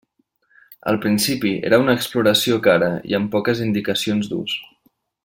Al principi era una exploració cara i amb poques indicacions d'ús.